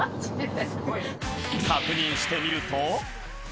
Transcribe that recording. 確認してみると。